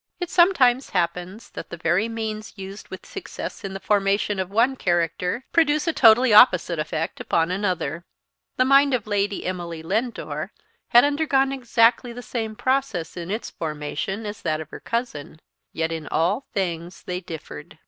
It sometimes happens that the very means used with success in the formation of one character produce a totally opposite effect upon another. The mind of Lady Emily Lindore had undergone exactly the same process in its formation as that of her cousin; yet in all things they differed.